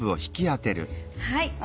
はい。